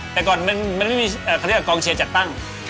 แต่ก่อนมันไม่มีเขาเรียกว่ากองเชียร์จัดตั้ง